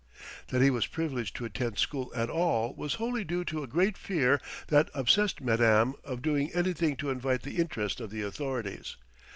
That he was privileged to attend school at all was wholly due to a great fear that obsessed Madame of doing anything to invite the interest of the authorities.